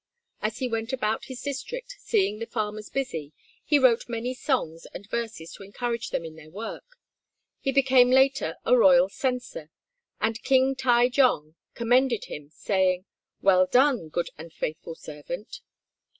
As he went about his district, seeing the farmers busy, he wrote many songs and verses to encourage them in their work. He became later a royal censor, and King Tai jong commended him, saying, "Well done, good and faithful servant."